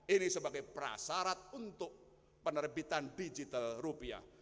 ini sebagai prasarat untuk penerbitan digital rupiah